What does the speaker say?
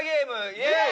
イエーイ！